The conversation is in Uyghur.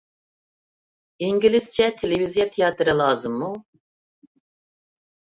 ئىنگلىزچە تېلېۋىزىيە تىياتىرى لازىممۇ؟